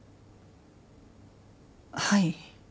はい。